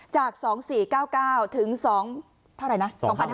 จาก๒๔๙๙ถึง๒เท่าไหร่นะ